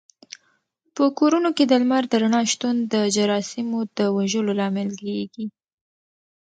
په کورونو کې د لمر د رڼا شتون د جراثیمو د وژلو لامل کېږي.